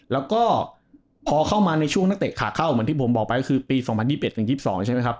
แล้วก็พอเข้ามาในช่วงนักเตะขาเข้าเหมือนที่ผมบอกไปก็คือปี๒๐๒๑ถึง๒๒ใช่ไหมครับ